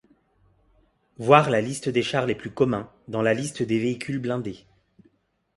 Voir la liste des chars les plus communs dans la liste des véhicules blindés.